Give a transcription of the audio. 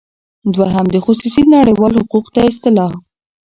دوهم د خصوصی نړیوال حقوق دا اصطلاح